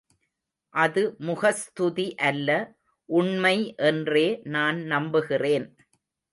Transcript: அது முகஸ்துதி அல்ல, உண்மை என்றே நான் நம்புகிறேன்.